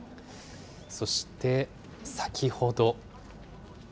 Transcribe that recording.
そして先ほど。